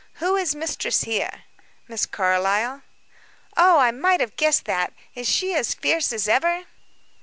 Who is mistress here?" "Miss Carlyle." "Oh, I might have guessed that. Is she as fierce as ever?"